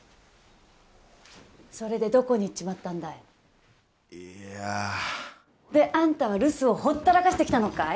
・それでどこに行ったんだい・いやであんたは留守をほったらかしてきたのかい？